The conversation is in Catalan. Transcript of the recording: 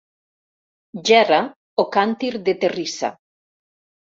Gerra o càntir de terrissa.